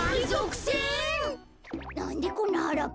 なんでこんなはらっぱに？